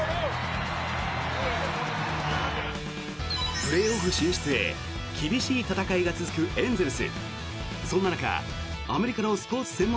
プレーオフ進出へ厳しい戦いが続くエンゼルス。